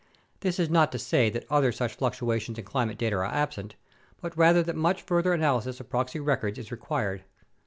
This is not to say that other such fluctuations in climate are absent but rather that much further analysis of proxy records is required.